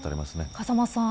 風間さん